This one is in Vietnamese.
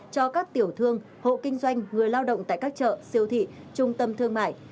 cho các tiểu thương hộ kinh doanh người lao động tại các chợ siêu thị trung tâm thương mại